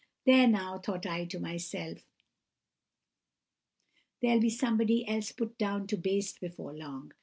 "'There, now,' thought I to myself, 'there'll be somebody else put down to baste before long.